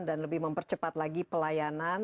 dan lebih mempercepat lagi pelayanan